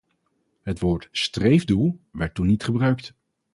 Het woord 'streefdoel werd toen niet gebruikt.